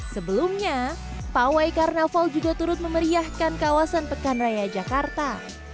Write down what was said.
sebelumnya pawai karnaval juga turut memeriahkan kawasan pekan raya jakarta